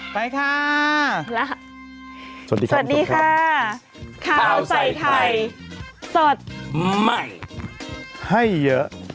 ไปค่ะแล้วสวัสดีค่ะสวัสดีค่ะข้าวใส่ไข่สดใหม่ให้เยอะ